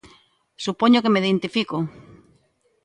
Supoño que me identifico.